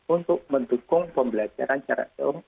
untuk mendukung pembelajaran jarak jauh